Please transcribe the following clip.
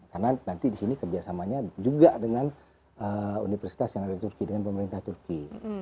karena nanti disini kerjasamanya juga dengan universitas canggara turki dengan pemerintah turki